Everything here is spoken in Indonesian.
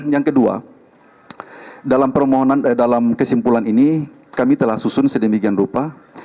yang kedua dalam kesimpulan ini kami telah susun sedemikian rupa